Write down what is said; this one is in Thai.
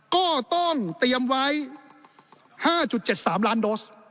ก็ต้องเตรียมไว้๕๗๓ล้านโดส